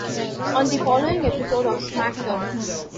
On the following episode of SmackDown!